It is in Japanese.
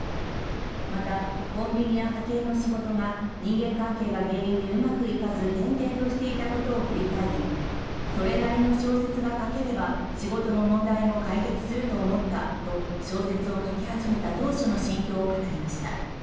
また、コンビニや派遣の仕事が人間関係が原因でうまくいかず転々としていたことを振り返りそれなりの小説が書ければ仕事の問題も解決すると思ったと小説を書き始めた当初の心境を語りました。